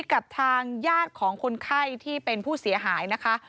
กับทางญาติของคนไข้ที่เป็นผู้เสียหายนะคะ